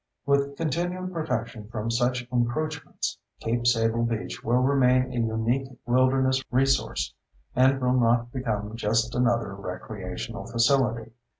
With continued protection from such encroachments, Cape Sable Beach will remain a unique wilderness resource and will not become just another recreational facility.